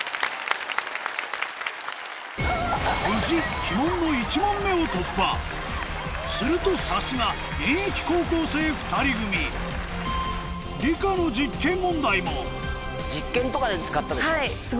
無事鬼門の１問目を突破するとさすが現役高校生２人組理科の実験問題もはい。